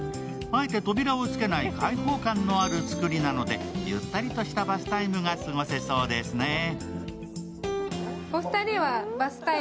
あえて扉をつけない開放感のある作りなのでゆったりとしたバスタイムが過ごせそうですね。